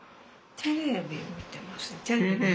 テレビ見てますね。